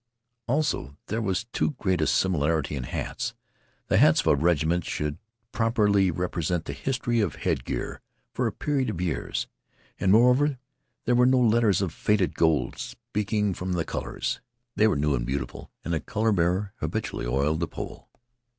Also, there was too great a similarity in the hats. The hats of a regiment should properly represent the history of headgear for a period of years. And, moreover, there were no letters of faded gold speaking from the colors. They were new and beautiful, and the color bearer habitually oiled the pole.